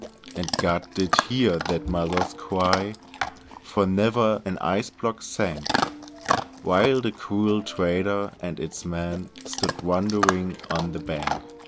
And God did hear that mother's cry, For never an ice block sank; While the cruel trader and his men Stood wondering on the bank.